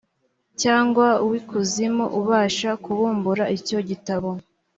cyangwa uw’ikuzimu ubasha kubumbura icyo gitabo